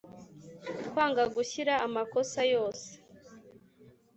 Kwanga gushyira amakosa yose